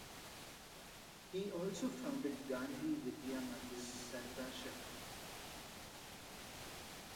He also founded Gandhi Vidya Mandir Sardarshahar.